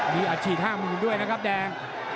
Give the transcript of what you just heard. มีอาชีพห้ามือด้วยนะครับแดง